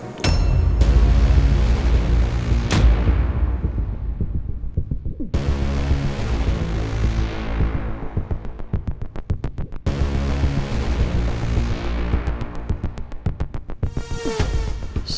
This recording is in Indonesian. dan memperbaiki kondisi kondisi